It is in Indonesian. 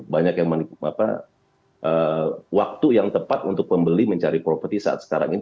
banyak yang menikmati waktu yang tepat untuk pembeli mencari properti saat sekarang ini